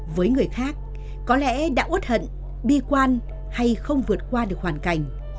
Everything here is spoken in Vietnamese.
với người khác có lẽ đã út hận bi quan hay không vượt qua được hoàn cảnh